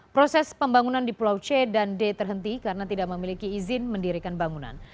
proses pembangunan di pulau c dan d terhenti karena tidak memiliki izin mendirikan bangunan